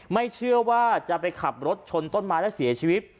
ไม่เชื่อว่าจะไปขับรถชนต้นไม้และเสียชีวิต